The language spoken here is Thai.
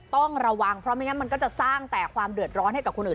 ต้องระวังเพราะไม่งั้นมันก็จะสร้างแต่ความเดือดร้อนให้กับคนอื่น